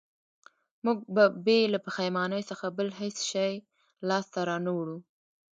موږ به بې له پښېمانۍ څخه بل هېڅ شی لاسته را نه وړو